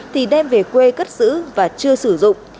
thì đem về quê cất giữ và chưa sử dụng